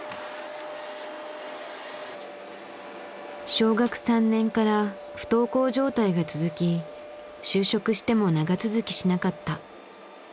小学３年から不登校状態が続き就職しても長続きしなかった。